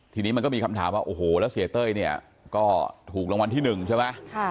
ทีนี้มันก็มีคำถามว่าโอ้โหแล้วเสียเต้ยเนี่ยก็ถูกรางวัลที่๑ใช่ไหม